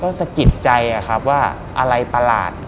ก็สะกิดใจครับว่าอะไรประหลาด